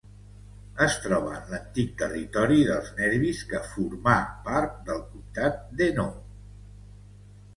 Es troba en l'antic territori dels nervis que formà part del comtat d'Hainaut.